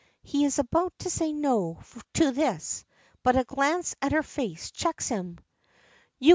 He is about to say "no" to this, but a glance at her face checks him.